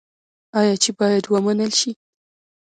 آیا چې باید ومنل شي؟